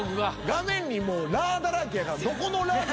画面にラだらけやから。